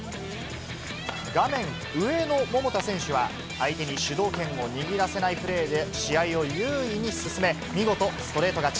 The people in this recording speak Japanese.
画面上の桃田選手は、相手に主導権を握らせないプレーで試合を優位に進め、見事ストレート勝ち。